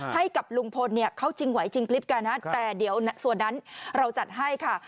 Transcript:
ให้กับลุงพลเนี่ยเขาจริงไหวจริงคลิปกันนะแต่เดี๋ยวส่วนนั้นเราจัดให้ค่ะ